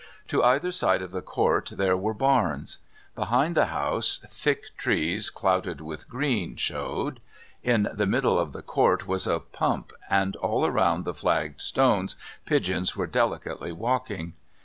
To either side of the court there were barns. Behind the house thick trees, clouded with green, showed. In the middle of the court was a pump, and all about the flagged stones pigeons were delicately walking.